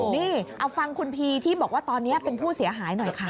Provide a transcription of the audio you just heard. นี่เอาฟังคุณพีที่บอกว่าตอนนี้เป็นผู้เสียหายหน่อยค่ะ